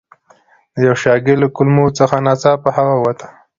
د یوه شاګرد له کلمو څخه ناڅاپه هوا ووته.